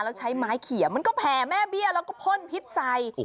แล้วใช้ไม้เขียมันก็แผ่แม่เบี้ยแล้วก็พ่นพิษใส่